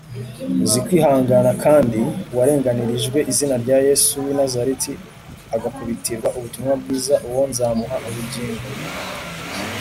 Uzi kwihangana kandi warenganirijwe izina rya Yesu w’I Nazareti agakubitirwa ubutumwa bwiza uwo nzamuha ubugingo.